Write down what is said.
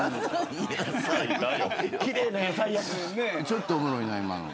ちょっとおもろいな今の。